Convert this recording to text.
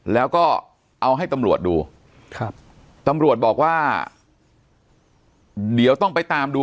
แล้วก็เอาให้ตำรวจดูครับตำรวจบอกว่าเดี๋ยวต้องไปตามดู